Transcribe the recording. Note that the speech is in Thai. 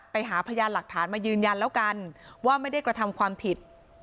ไปหาพยานหลักฐานมายืนยันแล้วกันว่าไม่ได้กระทำความผิด